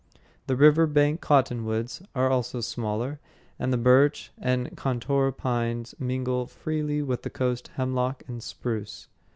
The river bank cottonwoods are also smaller, and the birch and contorta pines mingle freely with the coast hemlock and spruce.